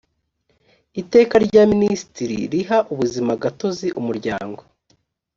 iteka rya minisitiri riha ubuzimagatozi umuryango